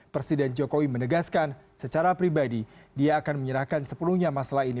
presiden jokowi menegaskan secara pribadi dia akan menyerahkan sepuluhnya masalah ini